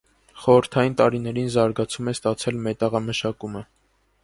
Խորհրդային տարիներին զարգացում է ստացել մետաղամշակումը։